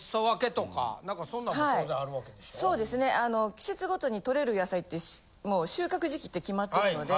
季節ごとに採れる野菜ってもう収穫時期って決まってるので。